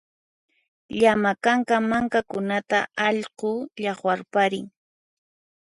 Llama kanka mankakunata allqu llaqwarparin